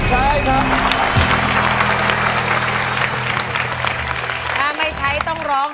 ใบเตยเลือกใช้ได้๓แผ่นป้ายตลอดทั้งการแข่งขัน